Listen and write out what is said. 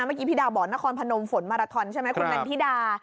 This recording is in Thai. เมื่อกี้พี่ดาบอร์ดนครพนมฝนมาราธรไหมคุณแม่นติดา